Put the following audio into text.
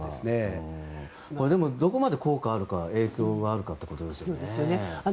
でもどこまで効果があるか影響があるかということですね。